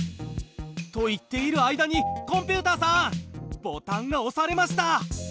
と言っている間にコンピュータさんボタンがおされました！